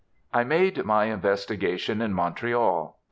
I made my investigations in Montreal.